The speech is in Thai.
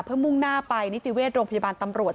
เพื่อมุ่งหน้าไปนิติเวชโรงพยาบาลตำรวจ